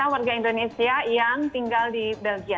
dan juga warga indonesia yang tinggal di belgia